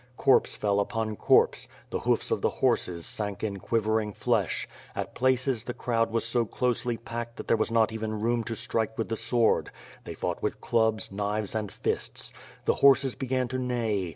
Corpse fell upon corpse, the hoofs of the horses sank in quivering flesh; at places the crowd was so closely packed that there was not even room to strike with the sword; they fought with clubs, knives and fists. The horses began to neigh.